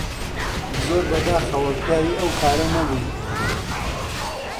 زۆر بەداخەوە پیاوی ئەو کارە نەبووی